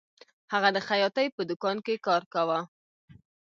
هغه د خیاطۍ په دکان کې کار کاوه